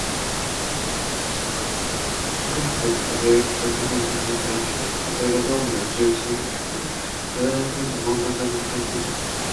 植物だった。正確には植物らしき何か。それがドームの中心付近、巨大なプールの真ん中に生えていた。